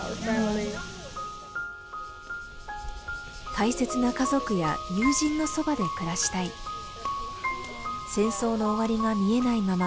大切な家族や友人のそばで暮らしたい戦争の終わりが見えないまま